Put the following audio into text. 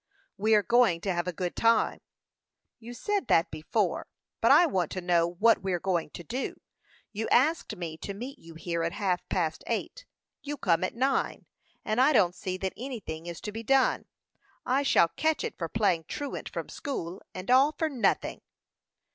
"We are going to have a good time." "You said that before; but I want to know what we are going to do. You asked me to meet you here at half past eight. You come at nine, and I don't see that anything is to be done. I shall catch it for playing truant from school, and all for nothing."